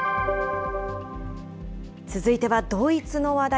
続いてはドイツの話題。